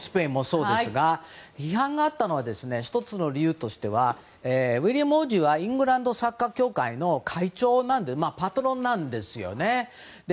批判があったのは１つの理由としてはウィリアム皇太子はイングランドサッカー協会の会長パトロンなんですよね。